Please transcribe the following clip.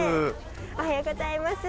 おはようございます。